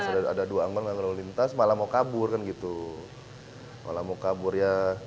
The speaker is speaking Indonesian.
yang lalu lintas ada dua angkot lalu lintas malah mau kabur kan gitu kalau mau kabur ya